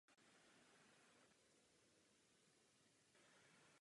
Jedná se o film pro děti o zvířatech s lidskými vlastnostmi.